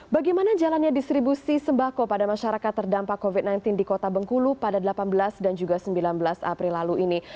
bagaimana jalannya distribusi sembako pada masyarakat terdampak covid sembilan belas di kota bengkulu pada delapan belas dan juga sembilan belas april lalu ini